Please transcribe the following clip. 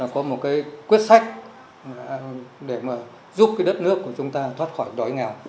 có một cái quyết sách để mà giúp cái đất nước của chúng ta thoát khỏi